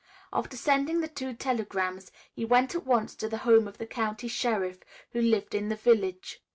After sending the two telegrams he went at once to the home of the county sheriff, who lived in the village.